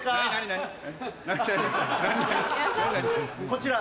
こちら。